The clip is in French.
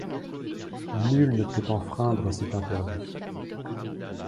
Nul ne peut enfreindre cet interdit.